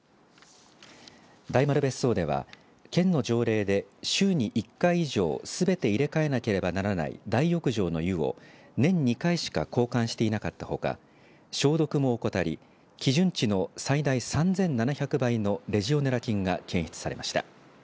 大丸別荘では県の条例で週に１回以上すべて入れ替えなければならない大浴場の湯を年２回しか交換していなかったほか消毒も怠り基準値の最大３７００倍のレジオネラ菌が検出されました。